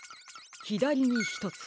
ひだりにひとつ。